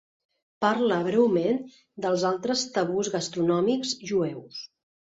Parla breument dels altres tabús gastronòmics jueus.